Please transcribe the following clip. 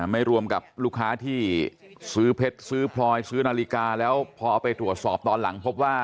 ไม่รวมกับลูกค้าที่ซื้อเพชรซื้อพลอยซื้อนาฬิกาแล้วพอเอาไปตรวจสอบตอนหลังพบว่า